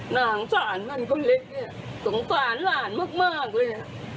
สงสารมันก็เล็กเนี่ยสงสารหลานมากเลย